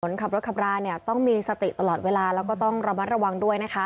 ขับรถขับราเนี่ยต้องมีสติตลอดเวลาแล้วก็ต้องระมัดระวังด้วยนะคะ